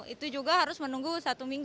itu juga harus menunggu satu minggu